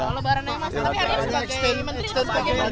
oh lebaran ya mas tapi hari ini sebagai menteri sebagai perempuan